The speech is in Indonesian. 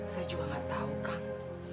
saya juga gak tahu kang